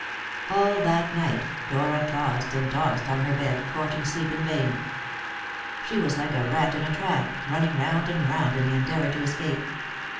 All that night Dora tossed and tossed on her bed, courting sleep in vain. She was like a rat in a trap, running round and round in the endeavour to escape.